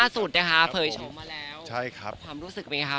สวัสดีครับสวัสดีครับ